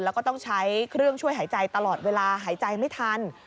แล้วก็ต้องใช้เครื่องช่วยหายใจตลอดเวลาหายใจไม่ทัน